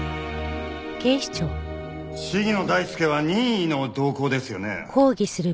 鴫野大輔は任意の同行ですよね。